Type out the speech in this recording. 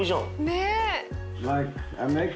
ねえ。